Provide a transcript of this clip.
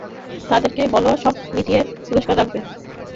তাদেরকে বলো শক টিমকে প্রস্তুত রাখতে।